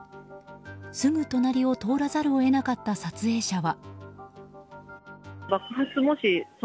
すぐ隣を通らざるを得なかった撮影者は。